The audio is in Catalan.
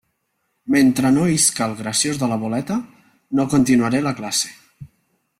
Mentre no isca el graciós de la boleta, no continuaré la classe.